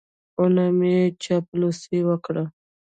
او نه مې چاپلوسي وکړه.